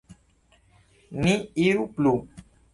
Ni iru plu.